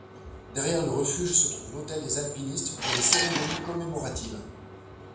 Derrière le refuge se trouve l’autel des alpinistes pour les cérémonies commémoratives.